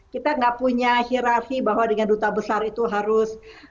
kita nggak punya hirafi bahwa dengan duta besar itu harus